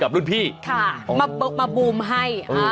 บูมให้หลังสนุกด้วย